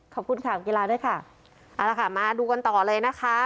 ขอบคุณข่าวกีฬาด้วยค่ะเอาละค่ะมาดูกันต่อเลยนะคะ